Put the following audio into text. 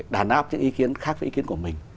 đàn áp những ý kiến khác với ý kiến của mình